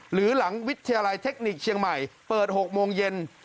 หรือหลังวิทยาลัยเทคนิคเชียงใหม่เปิด๖โมงเย็น